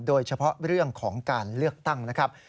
โดยเฉพาะเรื่องของการเลือกตั้งนะครับ